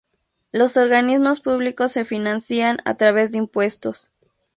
Los organismos públicos se financian a través de impuestos